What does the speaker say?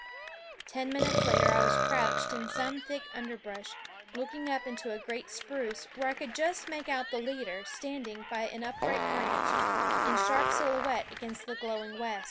Ten minutes later I was crouched in some thick underbrush looking up into a great spruce, when I could just make out the leader standing by an upright branch in sharp silhouette against the glowing west.